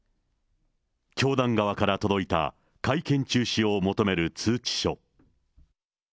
教団側から届いた会見中止を求める通知書。